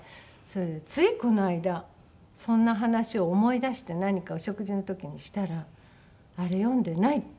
それでついこの間そんな話を思い出して何かお食事の時にしたら「あれ読んでない」って。